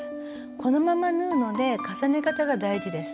このまま縫うので重ね方が大事です。